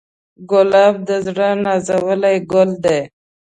ګلاب د زړه نازولی ګل دی.